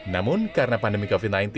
namun karena pandemi covid sembilan belas